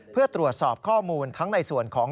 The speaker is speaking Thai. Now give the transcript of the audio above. เพื่อตรวจสอบข้อมูลทั้งในส่วนของ